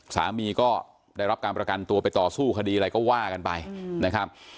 สามีก็ได้รับการประกันตัวไปต่อสู้คดีอะไรก็ว่ากันไปนะครับ